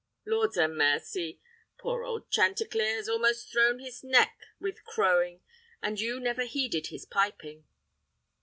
Lord 'a mercy! poor old chanticleer has almost thrawn his own neck with crowing, and you never heeded his piping."